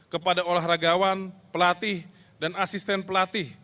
kepada olahragawan pelatih dan asisten pelatih